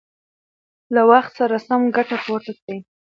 له وخت څخه سمه ګټه پورته کړئ.